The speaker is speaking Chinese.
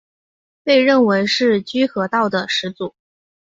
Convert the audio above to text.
被认为是居合道的始祖。